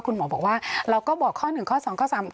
คุณหมอบอกว่าเราก็บอกข้อหนึ่งข้อสองข้อสาม